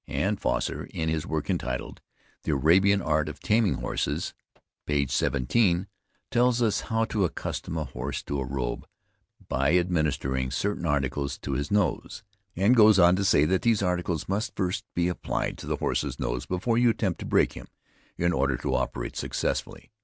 And Faucher, in his work entitled, "The Arabian art of taming Horses," page 17, tells us how to accustom a horse to a robe, by administering certain articles to his nose; and goes on to say, that these articles must first be applied to the horse's nose before you attempt to break him, in order to operate successfully.